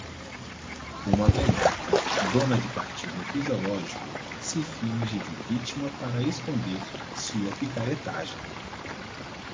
Uma velhaca, dona de partido fisiológico, se finge de vítima para esconder sua picaretagem